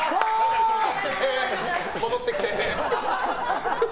戻ってきてー。